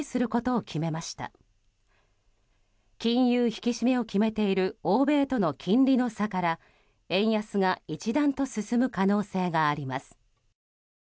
引き締めを決めている欧米との金利の差から円安が一段と進む可能性があります。